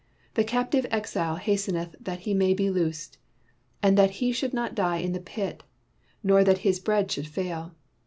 The captive exile hasten eth that he may be loosed, and that he should not die in the pit, nor that his bread should fail.